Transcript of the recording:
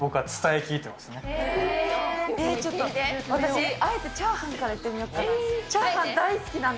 えー、ちょっと私、あえてチャーハンからいってみようかな。